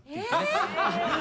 ハハハ。